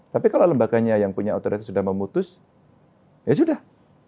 tapi kalau lembaganya yang punya otoritas sudah memutus ya sudah